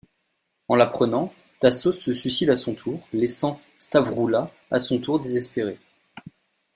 En l'apprenant, Tassos se suicide à son tour, laissant Stavroula à son tour désespérée.